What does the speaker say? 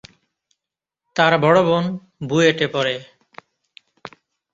তার বড় বোন বুয়েটে পড়ে।